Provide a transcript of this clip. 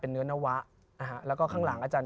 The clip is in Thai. พระพุทธพิบูรณ์ท่านาภิรม